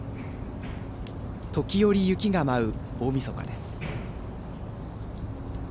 時折、雪が舞う大みそかです。